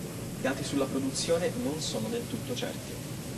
I dati sulla produzione non sono del tutto certi.